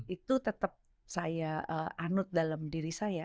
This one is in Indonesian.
itu tetap saya anut dalam diri saya